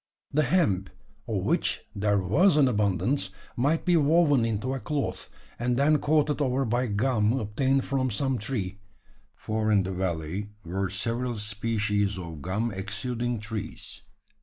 The hemp, of which there was an abundance, might be woven into a cloth, and then coated over by gum obtained from some tree; for in the valley were several species of gum exuding trees.